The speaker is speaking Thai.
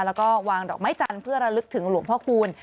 แล้วก็วางดอกไม้จันทร์เพื่อระลึกถึงหลวงพ่อคูณ